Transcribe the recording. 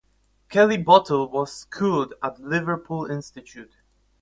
Kelly-Bootle was schooled at the Liverpool Institute.